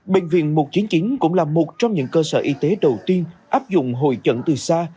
bệnh viện một trăm chín mươi chín cũng là một trong những cơ sở y tế đầu tiên áp dụng hội trận từ xa